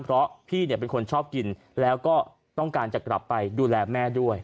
เพราะพี่เป็นคนชอบกินแล้วก็ต้องการจะกลับไปดูแลแม่ด้วย